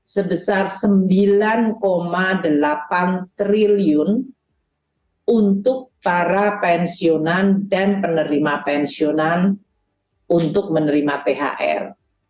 sebesar rp sembilan delapan triliun untuk para pensiunan dan penerima pensiunan untuk menerima thr